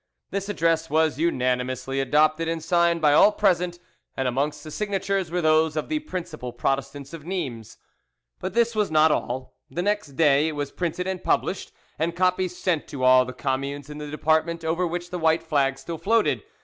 This address was unanimously adopted and signed by all present, and amongst the signatures were those of the principal Protestants of Nimes. But this was not all: the next day it was printed and published, and copies sent to all the communes in the department over which the white flag still floated.